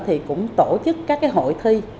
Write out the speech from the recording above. thì cũng tổ chức các cái hội thi